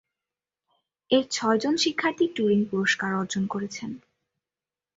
এর ছয়জন শিক্ষার্থী টুরিং পুরস্কার অর্জন করেছেন।